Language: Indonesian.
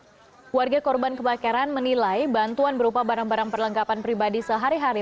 keluarga korban kebakaran menilai bantuan berupa barang barang perlengkapan pribadi sehari hari